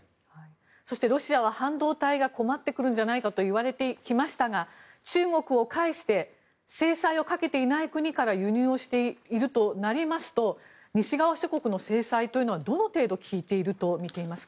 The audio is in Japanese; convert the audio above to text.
そして、ロシアは半導体が困ってくるんじゃないかといわれてきましたが中国を介して制裁をかけていない国から輸入をしているとなりますと西側諸国の制裁はどの程度効いているとみていますか。